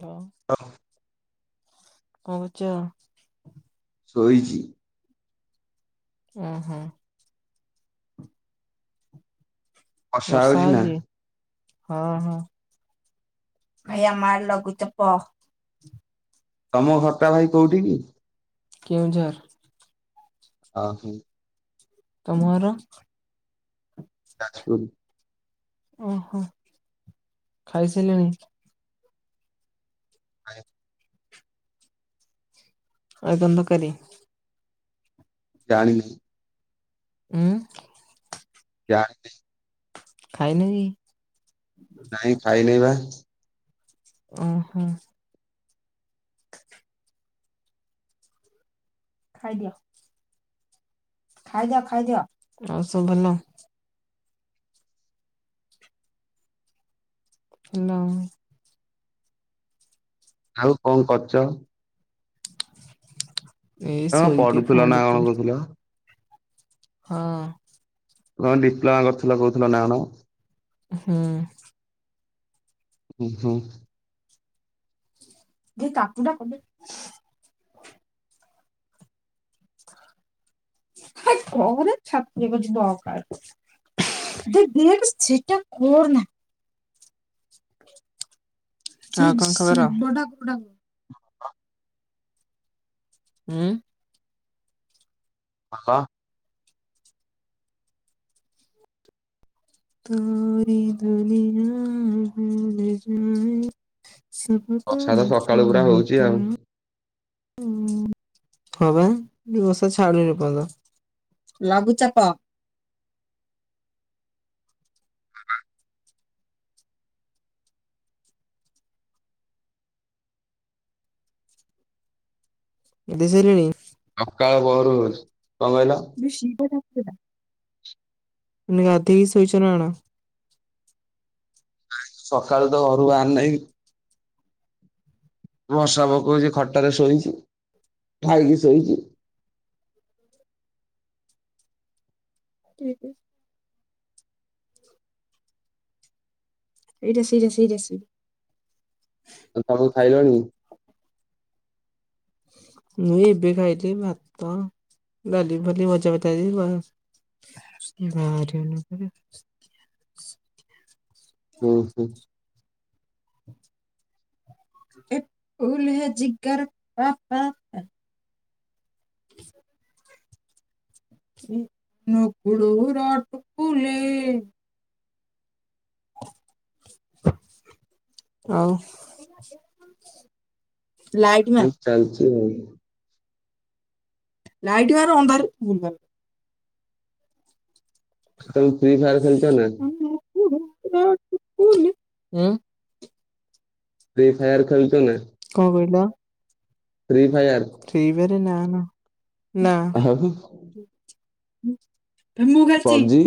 କୁହ କଣ କରୁଛ? ଶୋଇଚି। ଆଁ ହା। ବର୍ଷା ହଉଛି ନା ହଅଚି? ହଁ, ହଁ, ଇଏ ମା ଲୁଘୁଚାପ। ତମ ଘରଟା ଭାଇ କୋଉଠି କି? କେଉଁଝର। ଆ, ହୁଁ। ତମ ଘର। ଯାଜପୁରୁ। ଓହୋ, ଖାଇସାଇଲଣି। ନାଇଁ। ଆଉ କଣ ତକାରି। ଜାଣିିନାଇ। ଉଁ। ଜାଣିନି। ଖାଇନ‌ କି‌? ନାଇଁ ଖାଇନେଇ ବା। ଓହୋ। [inaudible] ଖାଇଦିଅ। ଖାଇଦିଅ, ଖାଇଦିଅ, ଆଉ ସବୁ ଭଲ। ହାଲୋ। ଆଉ କଁ କରୁଚ? ଏଇ ତମେ ବା ଶୋଇକି ଟିକେ ଫୋନ ପଡୁଥିଲା ନା କଣ ଦେଖୁଥିଲି କଉଥିଲ। ହଁ। କଁ ଡିପ୍ଲୋମା କରିୁଥିଲ କହୁଥିଲ ନା କଣ। ହୁଁ। ଉଁ ହୁଁ। ମୁଁ ଟାଟୁ ଟା କରିଦେଇ [unintelligible] ଆବେ ଦେବେ ସେଟା କରନା। ଆଉ କଣ ଖବର? ଉଁ। ହାଲୋ। ସାରି ଦୁନିଆ ଭୁଲ୍ ଯାଏ ସ ବର୍ଷା ତ ସକାଳୁ ପୁରା [unintelligible] ହଉଛି ଆଉ ଉଁ ହଁ ପା ଏ ହବା ବଷା ଛାଡୁନି ଏପର୍ଯନ୍ତ। ଲଘୁଚାପ ଗାଧେଇ ସାରିଲେଣି? ସକାଳ ପହରୁ ହୋଉଚି। କଣ କହିଲ? [unintelligible] ଗାଧେଇ କି ଶୋଇଚ ନା କଣ। ନାଇଁ ସକାଳୁ ତ ଘରୁ ବାହାରି ନାହିଁ। ବର୍ଷା ପକୋଉଚି ଖଟରେ ଶୋଇଚି। ଖାଇକି ଶୋଇଚି। କିଏ କିଏ ଏଇଟା ସେଇଟା ସେଇଟା ସେଇଟା ଆଉ ତମେ ଖାଇଲଣି? ମୁଁ ଏବେ ଖାାଇଲି ଭାତ [unintelligible] ଉଁ ହୁଁ। ଏ ଫୁଲେ ଜିଗର ପା ପା ହ କିଏ ନକୁଳୁର କୁକୁଲେ ଆଉ ଲାଇଟ୍ ମାରେ। ଚାଲିଚି ଆଉ। ଲାଇଟ୍ ମାରେ ଅନ୍ଧାରେ ଭୁଲ୍ ଭାଲ୍ ତମେ ଫ୍ରି ଫାୟାର ଖେଳୁଚ ନା? ଆଁ [unintelligible] ଫ୍ରି ଫାୟର ଖେଳୁଚ ନା? କଣ କହିଲ? Free Fire. ଫ୍ରି ଫାୟାର ନା ନା ଆଉ ନାଁ - ମୁଁ ଖେଳୁଚି। ପବଜି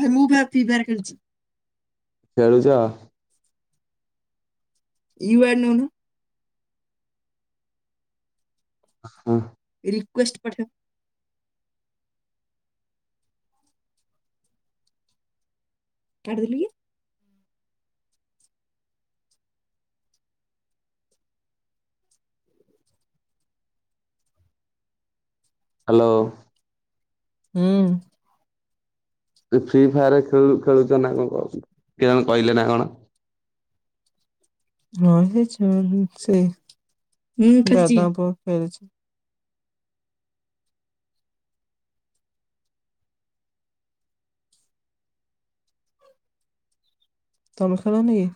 ଭାଇ ମୁଁ ଖେଳୁଚି ଫ୍ରି ଫାୟାର ଖେଳୁଚି। ଖେଳୁଚ ଇୱାଡ ନୋଉନ ଆ ହାଁ ରିକ୍ୱଷ୍ଟେ ପଠା। କାଟି ଦେଲେ କି? ହାଲୋ‌। ହୁଁ। ଫ୍ରି ଫାୟାରରେ ଖେଳୁ ଖେଳୁଚ ନା କଣ କୋହୁଚନ୍ତି କିଏ ଜଣେ କହିଲେ ନା କଣ? ହଁ ସେଇ ଛୁଆ ଖେଳୁ ସେ ଦାଦା ପୁଅ ଖେଳୁଚି ତମେ ଖେଳନି କି?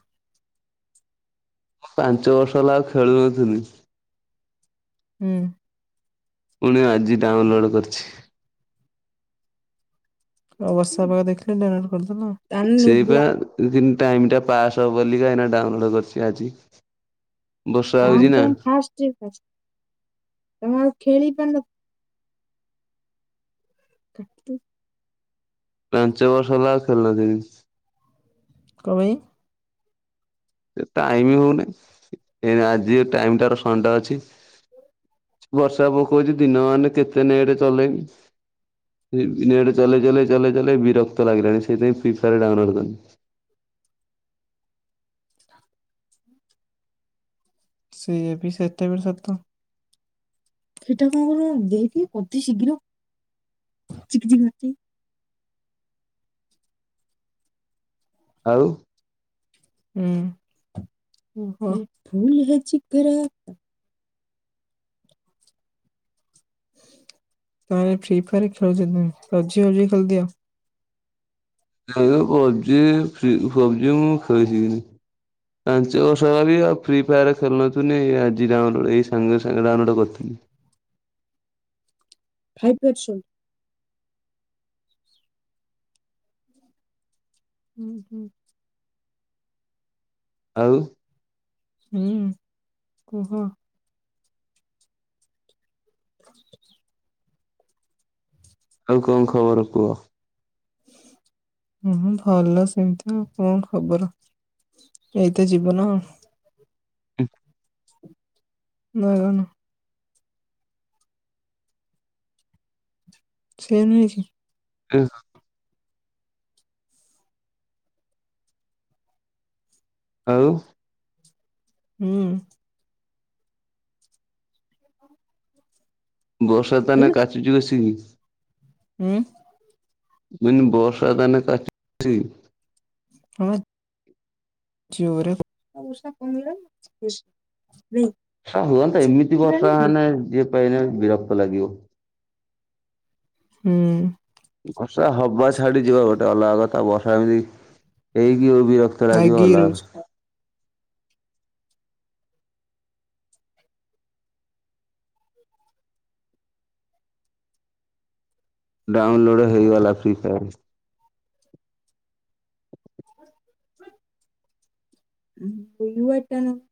ପାଞ୍ଚ ବର୍ଷ ହେଲା ଆଉ ଖେଳୁନଥିଲି। ହୁଁ। ଫୁଣି ଆଜି ଡାଉନଲୋଡ୍ କରିଛି। ଆଉ ବର୍ଷା ପାଗ ଦେଖିଲେ ଡାଉନଲୋଡ୍ କରିଦେଲ। ଜାଣିନୁ ସେଇପା ବୁଢା ଜେନ୍ତୀ ଟାଇମ୍ ଟା ପାସ୍ ହବ ବୋଲି କା, ଡାଉନଲୋଡ୍ କରୁଛି ଆଜି। ବର୍ଷା ହଉଛି କଣ ନା ପାଇଁ ଫାଷ୍ଟ [unintelligible] ତମେ ଆଉ ଖେଳି ପାରୁନ? କାଟୁ ପାଞ୍ଚ ବର୍ଷ ହେଲା ଆଉ ଖେଳୁ [unintelligible] କଣ ପାଇଁ? ଟାଇମ ହଉନି, ଆଜି ଏ ଟାଇମଟାର ସନ୍ ଡେ ଅଛି। ବର୍ଷା ପକଉଛି, ଦିନ ମାନେ କେତେ ନେଟ୍ ଚଲେଇବି? ନେଟ ଚଲେଇ ଚଲେଇ ଚଲେଇ ଚଲେଇ ବିରକ୍ତ ଲାଗିଲାଣି, ସେଇଥିପାଇଁ ଫ୍ରି ଫାୟାର ଡାଉନଲୋଡ କଲି। ହ ସେଇଆ ବି ସେଇଟା ବି ସତ। ସେଟା କଣ ଦେଇକି ଅତି ଶୀଘ୍ର, ଚିକି ଚିକି ମାରୁଚି। ଆଉ ହୁଁ- ହଁ ଫୁଲ ହେ ଚିକିରା ହଁ- ମୁଁ ଫ୍ରି ଫାୟାରରେ ଖେଳୁଥିଲି, ପବଜି ଫବଜି ଖେଳିଦିଅ। ନାଁ ମ ପବଜି, ଫ୍ରି ପବଜି ମୁଁ ଖେଳିବିନି। ପାଞ୍ଚ ବର୍ଷ ହେଲା ବି ଆଉ ଫ୍ରି ଫାୟାର ଖେଳୁନଥିଲି, ଆଜି ଡାଉନଲୋଡ ଏଇ ସାଙ୍ଗେ ସାଙ୍ଗେ ଡାଉନଲୋଡ କରିଥିଲି। ଫାଇଫ ଅଛୁ ହୁଁ- ହୁଁ। ଆଉ ହୁଁ କୁହ? [inaudible] ଆଉ କଣ ଖବର କୁହ? ହୁଁ ଭଲ ସେମିତି ଆଉ, କଣ ଖବର? ଏଇତ ଜୀବନ। [unintelligible] ସେ ନୁହେଁ କି? [unintelligible] ଆଉ ହଁ। ବର୍ଷା ତାନେ କାଚୁଚି ବସିିକି। ଉଁ। ମୁଁ କହିଲି ବର୍ଷା ତାନେ କାଚୁଚି। ହଁ। ଜୋରେ ପ ଆଁ ହୁଅନ୍ତା ଏମିତି ବର୍ଷା, ମାନେ ଯିଏ [unintelligible] ବିରକ୍ତ ଲାଗିବ। ହୁଁ। ବର୍ଷା ହବା ଛାଡି ଯିବା ଗୋଟେ ଅଲଗା କଥା, ବର୍ଷା ଏମିତି ହେଇକି ବିର କ୍ତ ଲାଗିବ ଲାଗି ଅଲଗା ରହୁଛି। କଥା। ଡାଉନଲୋଡ଼୍ ହେଇଗଲା ଫ୍ରି ଫାୟାର୍। ହଁ [unintelligible]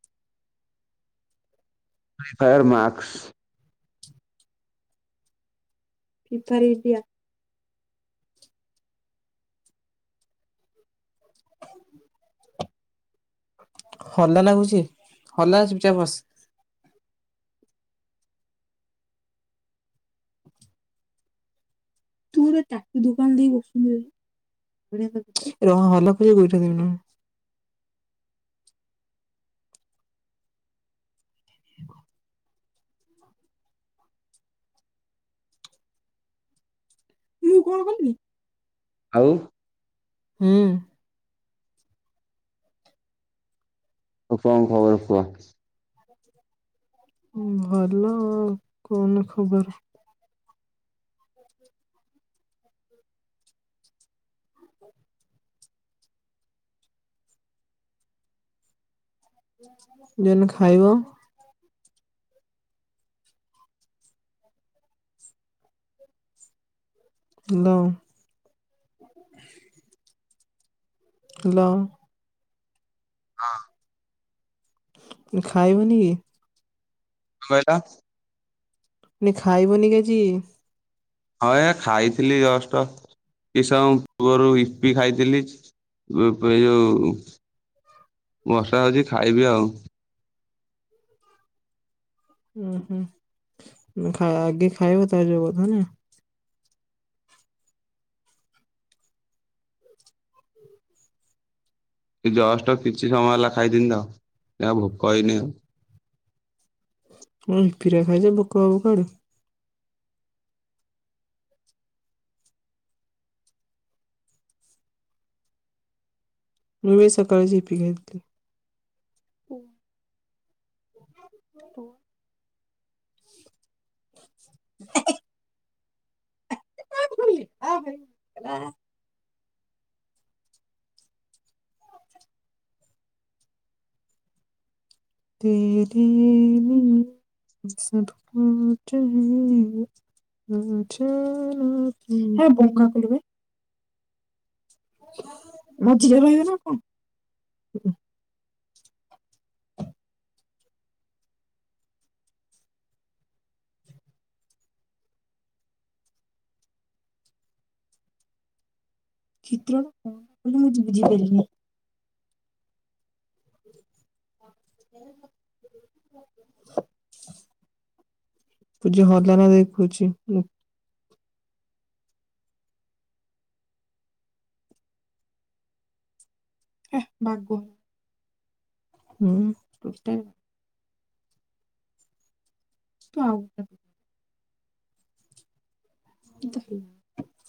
ଫ୍ରି ଫାୟାର ମାକ୍ସ। [unintelligible] ଦିଆ ହଲାନା କହୁଛି, ହଲାନା ଚୁପ ଚାପ ବସ। ତୁ ଗୋଟେ ଟାଟୁ ଦୋକାନ ଦେଇ ବସୁ [inaudible] ମୁଁ କଣ କଲି? ଆଉ ହୁଁ। ଆଉ, କଣ ଖବର କୁହ? [inaudible] ଭଲ ଆଉ। କନ ଖବର! ଦେନ ଖାଇବ। ଦଉଁ। ହାଲଁ। ହଁ। ଖାଇବୁନି କି? କଁ କହିଲ? ନି ଖାଇବୁନି କି ଆଜି? ହଁ, ଏ ଖାଇଥିଲି ଜଷ୍ଟ! କିଛ ସମୟ ପୂର୍ବରୁ ଇପି ଖାଇଥିଲି। ପି-ପି ଯଉ ବର୍ଷା ହଉଛି, ଖାଇବି ଆଉ। ଉଁ ହୁଁ, ଉଁ ଆଗେ ଖାଇବ, ତା'ପରେ ଯୋଉ କଥା ନା। ଜଷ୍ଟ କିଛି ସମୟ ହେଲା ଖାଇଥିନି ତ, ଏଆ ଭୋକ ହେଇନି ଆଉ। ଅଁ ଇପିରା ଖାଇଛ, ଭୋକହବ କୁଆଡ଼ୁ? ମୁଁ, ଏଇ ସକାଳେ ଆଜି ୟିପି ଖାଇଥିଲି। ଓ। [inaudible] ତେରେ ଲିଏ ସବ୍ କୁଛ ହେ ଏ। ପୁ ଛୋ ନା [unintelligible] ହେ ବଙ୍କା କୁଡ଼ବେ। ମଝିରେ ରହିବେ ନା କଣ? ଚିତ୍ର ଟା କଣ ବୋଲି ମୁଁ ବୁଝିପାଇଲିନି? [inaudible] ପୂଜା ହଲାନା ଦେଖୁଛି, ମୁଁ। ହେ ବାଗ ହୁଁ, [unintelligible] ତୁ ଆଉଁ [inaudible] [inaudible]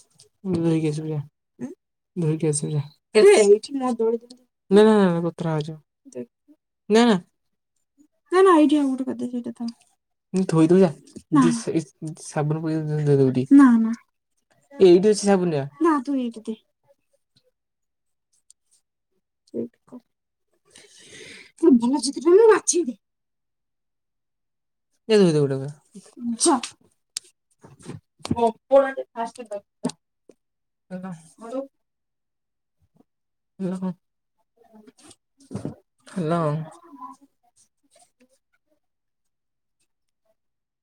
ଧୋଇକି ଆସିବୁ ଯା। ଧୋଇକି ଆସିବୁ ଯା। ନାଁ, ଉତ୍ରା ଭାଉଜ ନାଁ। ନା, ନା, ଏଇଠି ଆଉ ଗୋଟେ କରିଦେଇଛୁ, ଏଇଟା ଥାଉ। ଧୋଇ ଦବୁ ଯା, ଜେ ସେ ସାବୁନୁ ପକେଇକି ଧୋଇଦବୁ ଟିଏ। ଏଇଠି ଅଛି ସାବୁନ ଯା। ସେଇଟି କ, ମୋ ବୋଉ [unintelligible] ବାଛି ଦେ [unintelligible] କପୋଡ଼ା ଟେ ଫାଷ୍ଟ ଦକାର [inaudible] ହ୍ୟାଲୋ ହ୍ୟାଲୋ!